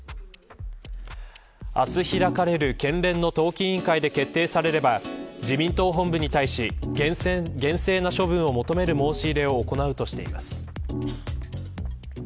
明日開かれる県連の党紀委員会で決定されれば自民党本部に対し厳正な処分を求める申し入れを行うとしています。